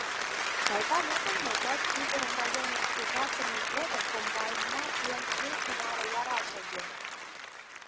Шайтан огыл мо, врач ӱдырым районыш ужатыме годым комбайнна пел кече наре яра шоген.